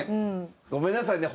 ごめんなさいね。